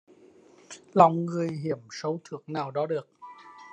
Lòng người hiểm sâu thước nào đo được